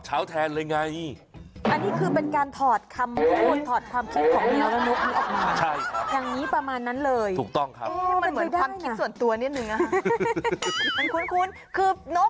เจ้าแมวนี้อาจจะไปทำอะไรให้นุกตัวนี้ม่โห